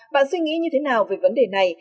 bạn suy nghĩ như thế nào về vấn đề này